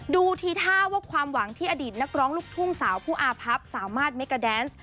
ดูทีท่าว่าความหวังที่อดีตนักร้องลูกทุ่งสาวผู้อาพับสามารถเมกาแดนซ์